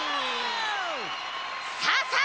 さあさあ